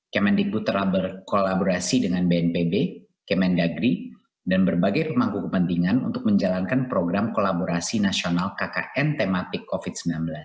kemendikbud telah berkolaborasi dengan bnpb kemendagri dan berbagai pemangku kepentingan untuk menjalankan program kolaborasi nasional kkn tematik covid sembilan belas